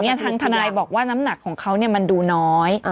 ทางทนายบอกว่าน้ำหนักของเขามันดูน้อย